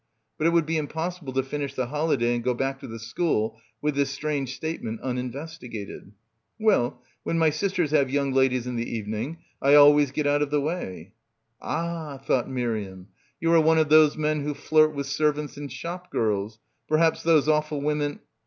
But it would be impossible to finish the holiday and go back to the school with this strange state ment uninvestigated. "Well, when my sisters have young ladies in in the evening I always get out of the way." Ah, thought Miriam, you are one of those men who flirt with servants and shop girls ... per haps those awful women.